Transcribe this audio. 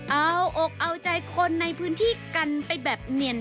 เอาอกเอาใจคนในพื้นที่กันไปแบบเนียน